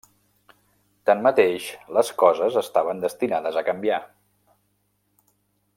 Tanmateix, les coses estaven destinades a canviar.